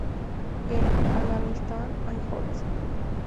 En Against All Odds.